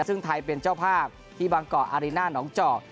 ซึ่งไทยเป็นเจ้าภาพที่บางเกาะอาริน่าหนองจอก